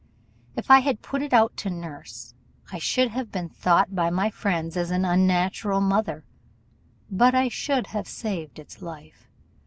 If I had put it out to nurse, I should have been thought by my friends an unnatural mother; but I should have saved its life.